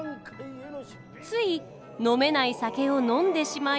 つい飲めない酒を飲んでしまい。